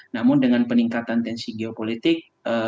namun dengan peningkatan tensi geopolitik